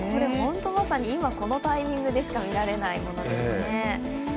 まさに今、このタイミングでしか見られないものですね。